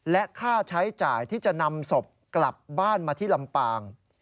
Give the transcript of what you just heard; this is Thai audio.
และค่าใช้จ่ายที่จะนำศพกลับบ้านมาที่ลำปาง